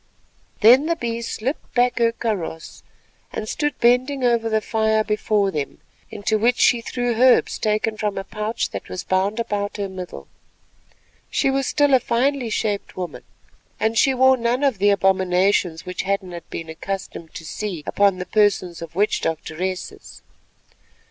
Then the Bee slipped back her kaross, and stood bending over the fire before them, into which she threw herbs taken from a pouch that was bound about her middle. She was still a finely shaped woman, and she wore none of the abominations which Hadden had been accustomed to see upon the persons of witch doctoresses.